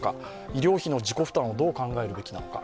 医療費の自己負担をどう考えるのか。